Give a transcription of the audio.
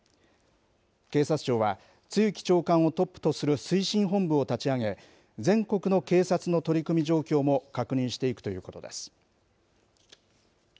警察庁は、露木長官をトップとする推進本部を立ち上げ、全国の警察の取り組み状況も確認していくということです。